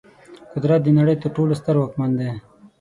قدرت د نړۍ تر ټولو ستر واکمن دی.